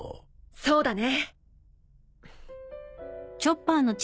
そうだね。